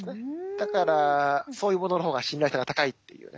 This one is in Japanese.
だからそういうものの方が信頼性が高いっていうね。